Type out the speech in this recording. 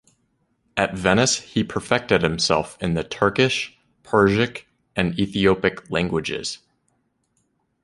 At Venice he perfected himself in the Turkish, Persic and Ethiopic languages.